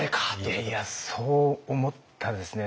いやいやそう思ったんですね。